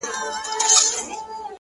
ځوان خپل څادر پر سر کړ!!